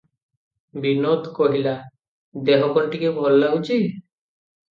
ବିନୋଦ କହିଲା- "ଦେହ କଣ ଟିକିଏ ଭଲ ଲାଗୁଚି?